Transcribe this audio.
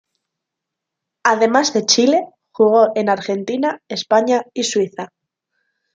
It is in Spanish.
Además de Chile, jugó en Argentina, España y Suiza.